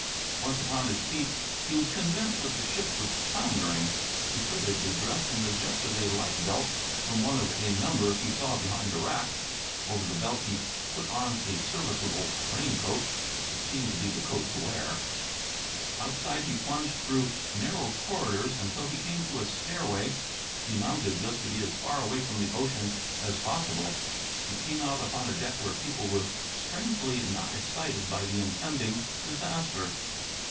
Once upon his feet he was convinced that the ship was foundering. He hurriedly dressed and adjusted a life belt from one of a number he saw behind a rack. Over the belt he put on a serviceable rain coat. It seemed to be the coat to wear. [Illustration: "Lumbago!" said Bean, both hands upon the life belt] Outside he plunged through narrow corridors until he came to a stairway. He mounted this to be as far away from the ocean as possible. He came out upon a deck where people were strangely not excited by the impending disaster.